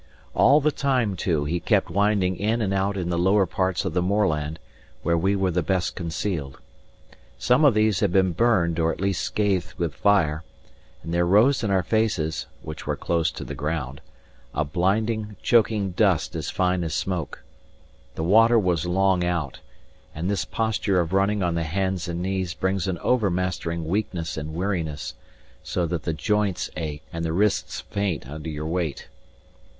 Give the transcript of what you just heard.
All the time, too, he kept winding in and out in the lower parts of the moorland where we were the best concealed. Some of these had been burned or at least scathed with fire; and there rose in our faces (which were close to the ground) a blinding, choking dust as fine as smoke. The water was long out; and this posture of running on the hands and knees brings an overmastering weakness and weariness, so that the joints ache and the wrists faint under your weight.